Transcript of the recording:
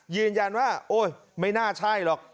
ยืนยันว่าโอ้ยไม่น่าใช่หรอก